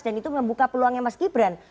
dan itu membuka peluangnya mas gibran